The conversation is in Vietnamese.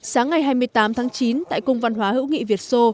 sáng ngày hai mươi tám tháng chín tại cung văn hóa hữu nghị việt sô